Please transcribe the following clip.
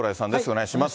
お願いします。